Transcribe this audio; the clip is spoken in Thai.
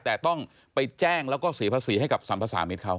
แต่ต้องไปแจ้งแล้วก็เสียภาษีให้กับสัมภาษามิตรเขา